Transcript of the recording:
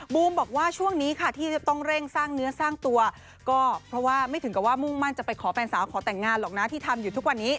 บูมบอกว่าช่วงนี้ค่ะที่จะต้องเร่งสร้างเนื้อสร้างตัวก็เพราะว่าไม่ถึงกับว่ามุ่งมั่นจะไปขอแฟนสาวขอแต่งงานหรอกนะที่ทำอยู่ทุกวันนี้